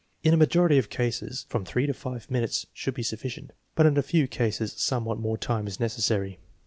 In a majority of cases from three to five min utes should be sufficient, but in a few cases somewhat more time is necessary.